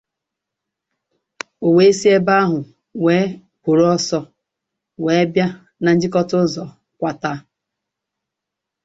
o wee si ebe ahụ wee kwòró ọsọ wee bịa na njikọụzọ Kwata